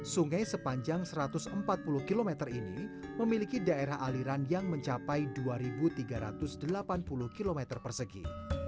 sungai sepanjang satu ratus empat puluh km ini memiliki daerah aliran yang mencapai dua tiga ratus delapan puluh km persegi